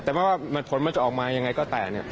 แต่ไม่ว่าผลมันจะออกมายังไงก็แต่